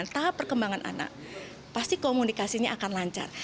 tahap perkembangan anak pasti komunikasinya akan lancar